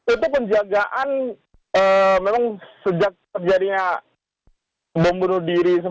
itu penjagaan memang sejak terjadinya pembunuh diri